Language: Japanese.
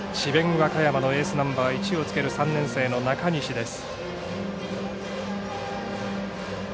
和歌山のエースナンバー１をつける３年生の中西です。